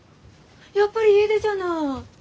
やっぱり家出じゃない！